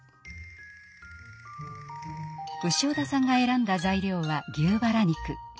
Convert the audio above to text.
潮田さんが選んだ材料は牛バラ肉。